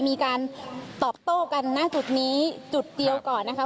มีการตอบโต้กันหน้าจุดนี้จุดเดียวก่อนนะคะ